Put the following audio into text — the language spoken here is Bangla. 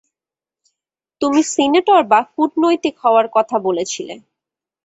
তুমি সিনেটর বা কূটনীতিক হওয়ার কথা বলেছিলে।